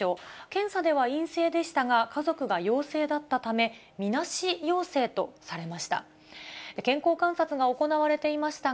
検査では陰性でしたが、家族が陽性だったため、みなし陽性とされました。